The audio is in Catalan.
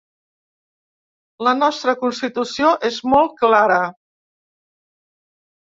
La nostra constitució és molt clara.